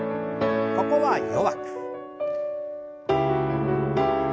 ここは弱く。